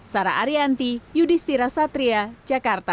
sarah arianti yudhistira satria jakarta